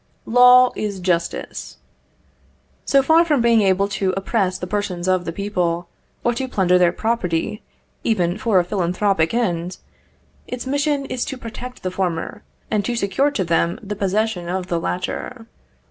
Law is justice. So far from being able to oppress the persons of the people, or to plunder their property, even for a philanthropic end, its mission is to protect the former, and to secure to them the possession of the latter.